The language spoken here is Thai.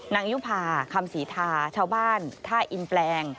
ยุภาคำศรีทาชาวบ้านท่าอินแปลง